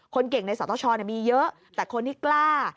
คนเก่งในสตชมีเยอะแต่คนที่กล้า